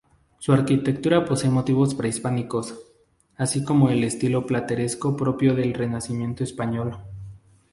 Su arquitectura posee motivos prehispánicos, así como el estilo plateresco propio del renacimiento español.